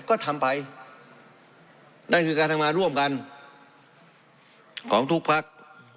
ก็ทำไปนั่นคือการทำงานร่วมกันของทุกพัก